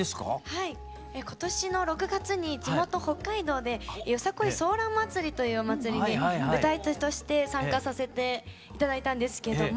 今年の６月に地元北海道でＹＯＳＡＫＯＩソーラン祭りというお祭りに歌い手として参加させて頂いたんですけども。